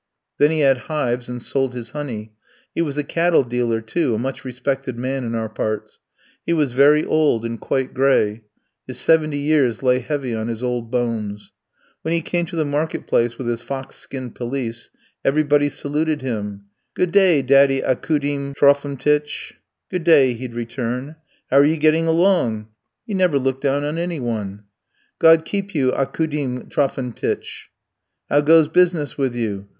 Then he had hives, and sold his honey; he was a cattle dealer too; a much respected man in our parts. He was very old and quite gray, his seventy years lay heavy on his old bones. When he came to the market place with his fox skin pelisse, everybody saluted him. "'Good day, daddy Aukoudim Trophimtych!' "'Good day,' he'd return. "'How are you getting along;' he never looked down on any one. "'God keep you, Aukoudim Trophimtych!' "'How goes business with you?'